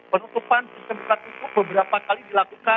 penutupan berlaku beberapa kali dilakukan